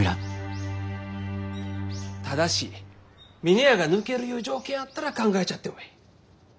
ただし峰屋が抜けるゆう条件やったら考えちゃってもえい。